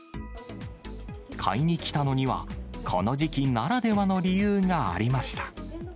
買いに来たのには、この時期ならではの理由がありました。